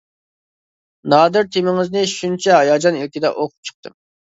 نادىر تېمىڭىزنى شۇنچە ھاياجان ئىلكىدە ئوقۇپ چىقتىم.